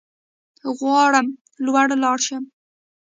غواړم لوړ لاړ شم